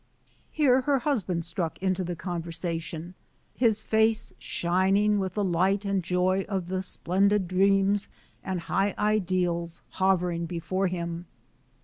Here her husband struck into the conversa tion, his face shining with the light and joy of the splendid dreams and high ideals hovering before him.